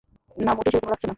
না, মোটেই সেরকম লাগছে না।